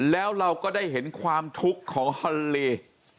แล้วเราก็ได้เห็นความทุกข์ของฮอนลี